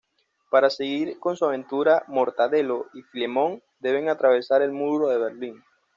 Para seguir con su aventura Mortadelo y Filemón deben atravesar el Muro de Berlín.